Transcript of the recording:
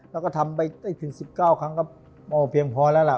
แล้วก็ทำไปได้ถึง๑๙ครั้งก็เพียงพอแล้วล่ะ